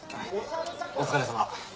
お疲れさま。